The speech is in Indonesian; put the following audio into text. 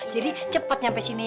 jadi cepet nyampe sini